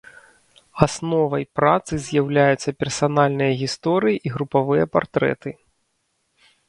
Асновай працы з'яўляюцца персанальныя гісторыі і групавыя партрэты.